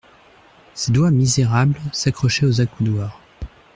Ses doigts misérables s'accrochaient aux accoudoirs.